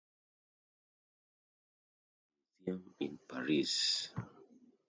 The Louvre is a museum in Paris.